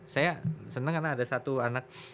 saya senang karena ada satu anak